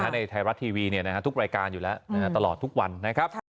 ในไทยรัฐทีวีทุกรายการอยู่แล้วตลอดทุกวันนะครับ